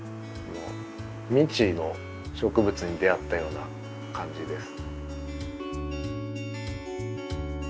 未知の植物に出会ったような感じです。